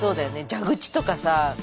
蛇口とかさ。